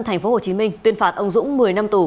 tp hcm tuyên phạt ông dũng một mươi năm tù